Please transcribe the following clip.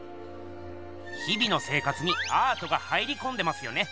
日々の生活にアートが入りこんでますよね。